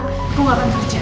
aku gak akan kerja